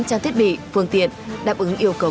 trang thiết bị phương tiện đáp ứng yêu cầu